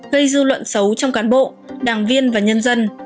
gây dư luận xấu trong cán bộ đảng viên và nhân dân